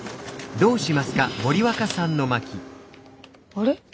あれ？